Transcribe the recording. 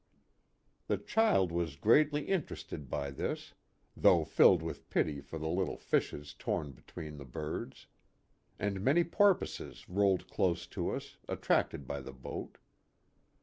The child was greatly interested by 64 A PICNIC NEAR THE EQUATOR. this, though filled with pity for the little fishes torn between the birds. And many porpoises rolled close to us, attracted by the boat.